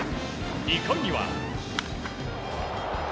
２回には。